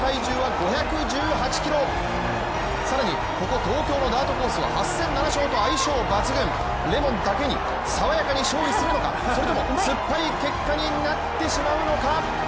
更にここ東京のダートコースは８戦７勝とレモンだけに、爽やかに勝利するのか、それとも酸っぱい結果になってしまうのか。